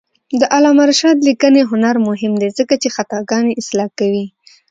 د علامه رشاد لیکنی هنر مهم دی ځکه چې خطاګانې اصلاح کوي.